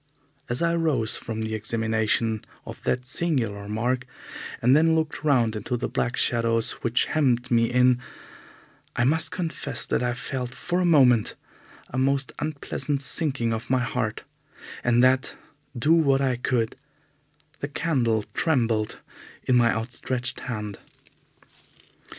As I rose from the examination of that singular mark and then looked round into the black shadows which hemmed me in, I must confess that I felt for a moment a most unpleasant sinking of my heart, and that, do what I could, the candle trembled in my outstretched hand.